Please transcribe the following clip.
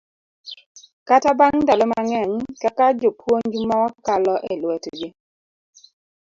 kata bang' ndalo mang'eny kaka jopuonj mawakalo e lwetgi,